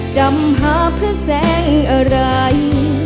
จำหาเพื่อนแสงอะไร